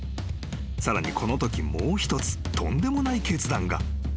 ［さらにこのときもう一つとんでもない決断が］